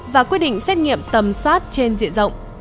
và quyết định xét nghiệm tầm soát trên diện rộng